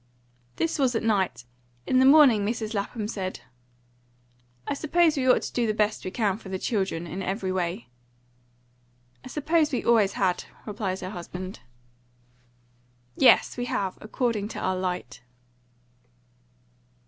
This was at night. In the morning Mrs. Lapham said "I suppose we ought to do the best we can for the children, in every way." "I supposed we always had," replied her husband. "Yes, we have, according to our light."